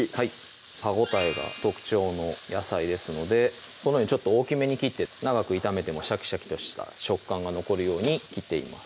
歯応えが特徴の野菜ですのでこのようにちょっと大きめに切って長く炒めてもシャキシャキとした食感が残るように切っています